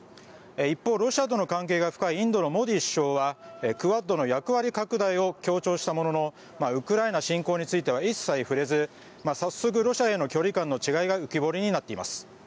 一方、ロシアとの関係が深いインドのモディ首相はクアッドの役割拡大を強調したもののウクライナ侵攻については一切触れず早速ロシアへの距離感への違いが浮き彫りになっています。